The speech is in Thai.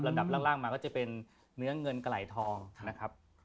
ล่างมาก็จะเป็นเนื้อเงินกะไหล่ทองนะครับ